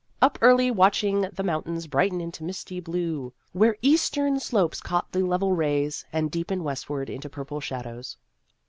Up early watching the mountains brighten into misty blue where eastern slopes caught the level rays, and deepen westward into purple shadows.